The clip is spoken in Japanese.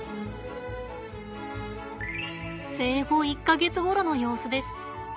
生後１か月ごろの様子です。